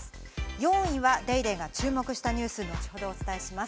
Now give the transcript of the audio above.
４位は『ＤａｙＤａｙ．』が注目したニュース、後ほどお伝えします。